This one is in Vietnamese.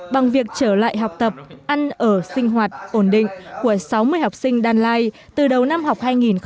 bằng việc trở lại học tập ăn ở sinh hoạt ổn định của sáu mươi học sinh đan lai từ đầu năm học hai nghìn một mươi tám hai nghìn một mươi chín